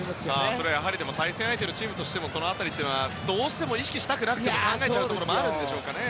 それは対戦相手のチームとしてはその辺りはどうしても意識したくなくても考えちゃうところもあるんでしょうかね。